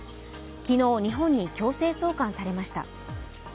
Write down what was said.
昨日、日本に強制送還されました。